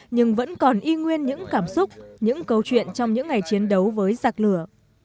nhưng vẫn còn y nguyên những cảm xúc những câu chuyện trong những ngày chiến đấu với giặc lửa